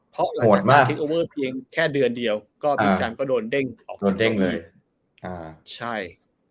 เพราะหลังจากการเทคโอเวอร์เพียงแค่เดือนเดียวก็บิ๊กแซมก็โดนเด้งออกจากนั้นเลย